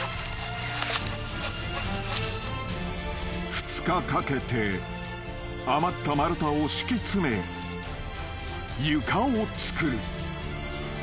［２日かけて余った丸太を敷き詰め床を造る］